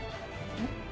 えっ？